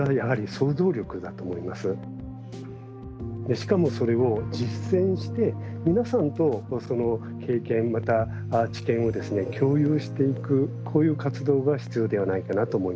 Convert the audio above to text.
しかもそれを実践して皆さんと経験また知見を共有していくこういう活動が必要ではないかなと思います。